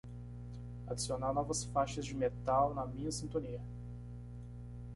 adicionar novas faixas de metal na minha sintonia